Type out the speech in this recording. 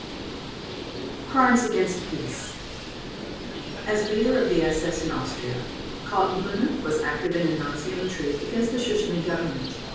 Crimes against Peace As leader of the SS in Austria Kaltenbrunner was active in the Nazi intrigue against the Schuschnigg Government.